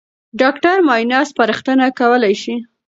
ډاکټر معاینه سپارښتنه کولای شي.